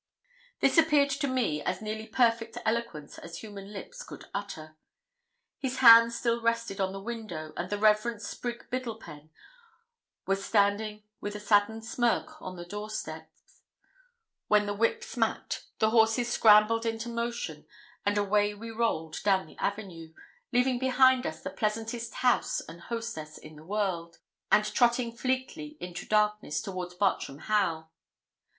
This appeared to me as nearly perfect eloquence as human lips could utter. His hand still rested on the window, and the Rev. Sprigge Biddlepen was standing with a saddened smirk on the door steps, when the whip smacked, the horses scrambled into motion, and away we rolled down the avenue, leaving behind us the pleasantest house and hostess in the world, and trotting fleetly into darkness towards Bartram Haugh.